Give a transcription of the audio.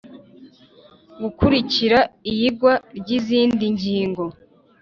Gukurikira iyigwa ry izindi ngingo